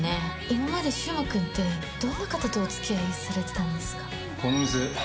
今まで柊磨君って、どんな方とお付き合いされてたんですか。